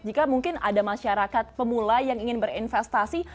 jika mungkin ada masyarakat pemula yang ingin berinvestasi